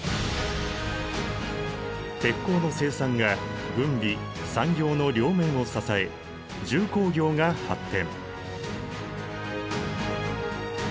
鉄鋼の生産が軍備・産業の両面を支え重工業が発展。